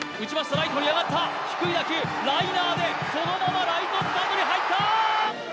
ライトに上がった低い打球ライナーでそのままライトスタンドに入った！